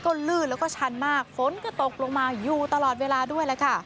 ก็ลืดแล้วก็ชันมากฝนก็ตกลงมายู่ตลอดเวลาด้วย